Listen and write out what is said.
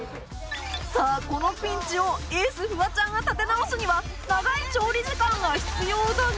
さあこのピンチをエースフワちゃんが立て直すには長い調理時間が必要だが